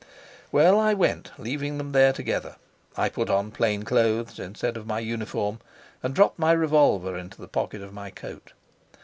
Well, I went, leaving them there together. I put on plain clothes instead of my uniform, and dropped my revolver into the pocket of my coat.